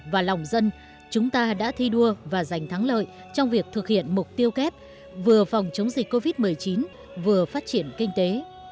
và lòng dân chúng ta đã thi đua và giành thắng lợi trong việc thực hiện mục tiêu kép vừa phòng chống dịch covid một mươi chín vừa phát triển kinh tế